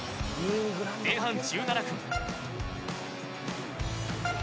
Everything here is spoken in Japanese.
前半１７分。